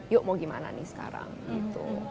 yuk mau gimana nih sekarang gitu